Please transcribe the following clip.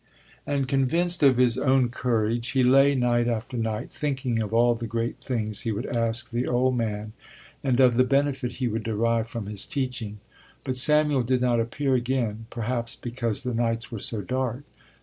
And convinced of his own courage he lay night after night thinking of all the great things he would ask the old man and of the benefit he would derive from his teaching. But Samuel did not appear again, perhaps because the nights were so dark.